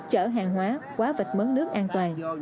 hàng hóa quá vạch mớ nước an toàn